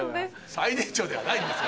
最年長ではないんですよ